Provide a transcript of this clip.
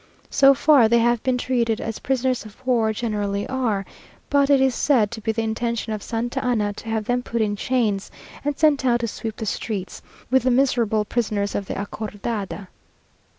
So far they have been treated as prisoners of war generally are; but it is said to be the intention of Santa Anna to have them put in chains, and sent out to sweep the streets, with the miserable prisoners of the Acordada.